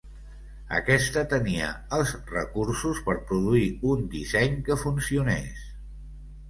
Aquesta tenia els recursos per produir un disseny que funciones.